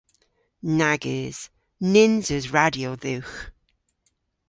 Nag eus. Nyns eus radyo dhywgh.